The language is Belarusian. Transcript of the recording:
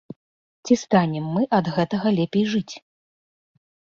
Ці станем мы ад гэтага лепей жыць?